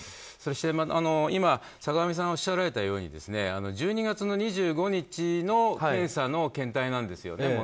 そして今坂上さんおっしゃられたように１２月２５日の検査の検体なんですよね